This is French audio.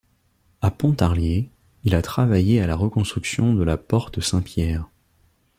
A Pontarlier, il a travaillé à la reconstruction de la porte Saint-Pierre.